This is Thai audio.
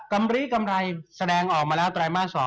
กรรมรีกำไรแสดงออกมาแล้วตรายมาร์๒